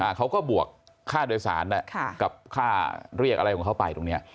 เขาก็บวกค่าโดยสารอ่ะค่ะกับค่าเรียกอะไรของเขาไปตรงเนี้ย